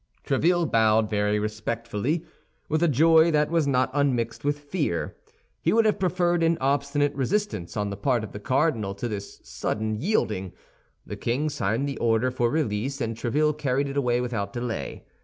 Tréville bowed very respectfully, with a joy that was not unmixed with fear; he would have preferred an obstinate resistance on the part of the cardinal to this sudden yielding. The king signed the order for release, and Tréville carried it away without delay.